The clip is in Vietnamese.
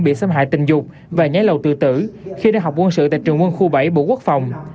bị xâm hại tình dục và nháy lầu tự tử khi đang học quân sự tại trường quân khu bảy bộ quốc phòng